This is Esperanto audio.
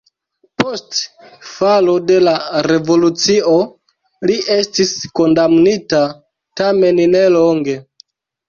Post falo de la revolucio li estis kondamnita, tamen ne longe.